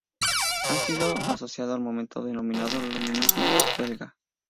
Ha sido asociado al movimiento denominado luminismo belga.